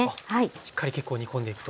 しっかり結構煮込んでいくと。